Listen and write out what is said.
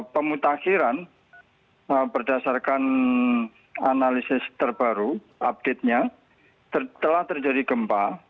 pemutakhiran berdasarkan analisis terbaru update nya telah terjadi gempa